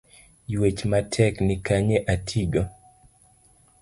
Yuech matek nikanye atigo?